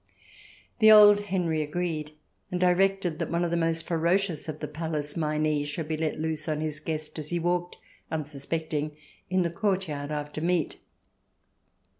The old Henry agreed, and directed that one of the most ferocious of the palace meinie should be let loose on his guest as he walked, unsuspecting, in the courtyard after meat.